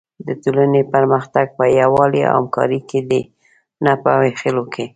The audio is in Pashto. د ټولنې پرمختګ په یووالي او همکارۍ کې دی، نه په وېشلو کې.